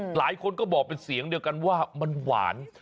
หลายคนก็บอกเป็นเสียงเดียวกันว่ามันหวาน